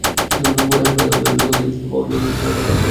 পরে হাসপাতালের ভেতরের দোকান থেকে বাবার জন্য ওষুধ কিনে এখন বাসায় যাচ্ছি।